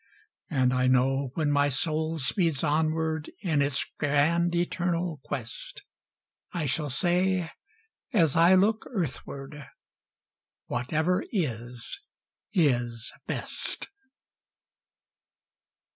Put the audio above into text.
And I know when my soul speeds onward, In its grand Eternal quest, I shall say as I look back earthward, Whatever is is best.